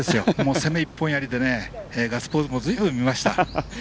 攻め一本やりでガッツポーズもずいぶん見ました。